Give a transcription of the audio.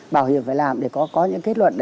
bảo hiểm phải làm để có những kết luận